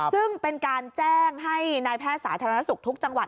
ซึ่งเป็นการแจ้งให้นายแพทย์สาธารณสุขทุกจังหวัด